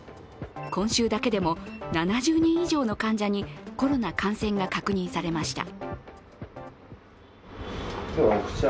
今週だけでも７０人以上の患者にコロナ感染が確認されました。